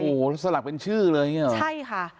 โอ้โหสลักเป็นชื่อเลยใช่ค่ะ